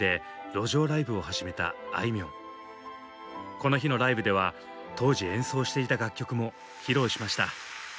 この日のライブでは当時演奏していた楽曲も披露しました。